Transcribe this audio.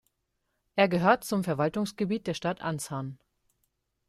Er gehört zum Verwaltungsgebiet der Stadt Anshan.